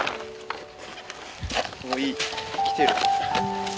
おぉいい来てる。